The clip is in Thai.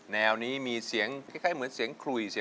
แนวนี้มีเสียงคล้ายเหมือนเสียงขลุยเสียง